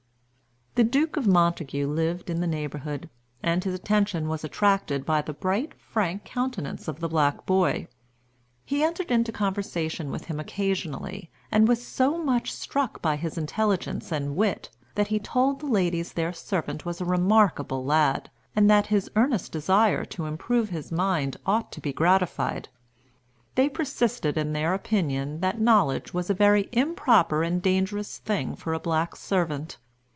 The Duke of Montagu lived in the neighborhood, and his attention was attracted by the bright, frank countenance of the black boy. He entered into conversation with him occasionally, and was so much struck by his intelligence and wit, that he told the ladies their servant was a remarkable lad, and that his earnest desire to improve his mind ought to be gratified. They persisted in their opinion that knowledge was a very improper and dangerous thing for a black servant.